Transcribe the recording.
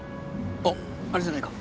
あっあれじゃないか？